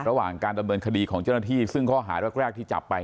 ระหว่างการดำเนินคดีของเจ้าหน้าที่ซึ่งข้อหาแรกที่จับไป